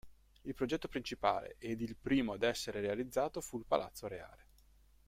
Il progetto principale ed il primo ad essere realizzato fu il palazzo reale.